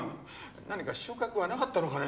何か収穫はなかったのかね？